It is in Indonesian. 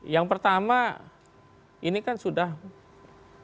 yang pertama ini kan sudah